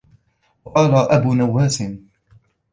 وَقَالَ أَبُو نُوَاسٍ